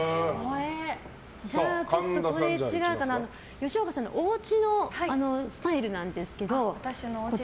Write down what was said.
吉岡さんのおうちのスタイルなんですけど。